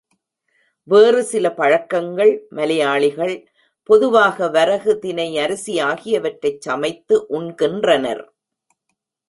வேறு சில பழக்கங்கள் மலையாளிகள் பொதுவாக வரகு, தினை, அரிசி ஆகியவற்றைச் சமைத்து உண்கின்றனர்.